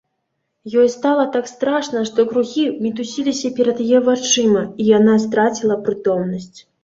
Ёй стала так страшна, што кругі мітусіліся перад яе вачыма, і яна страціла прытомнасць.